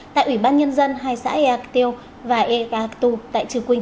tại ủy ban nhân dân hai xã eak tiêu và eak tu tại trư quynh